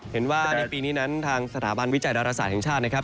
เห็นว่าในปีนี้นั้นทางสถาบันวิจัยดาราศาสตร์แห่งชาตินะครับ